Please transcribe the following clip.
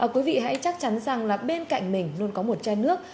quý vị hãy chắc chắn rằng là bên cạnh mình luôn có một chai nước